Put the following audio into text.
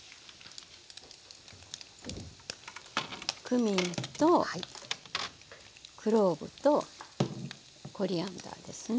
クミンとクローブとコリアンダーですね。